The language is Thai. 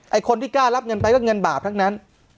คนที่กล้ารับเงินไปก็เงินบาปทั้งนั้น